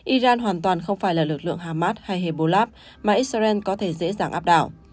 iran hoàn toàn không phải là lực lượng hamas hay hebolab mà israel có thể dễ dàng áp đảo